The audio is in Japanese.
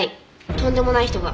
とんでもない人が。